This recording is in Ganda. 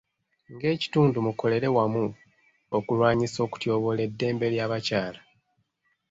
Ng'ekitundu, mukolere wamu okulwanyisa okutyoboola eddembe ly'abakyala.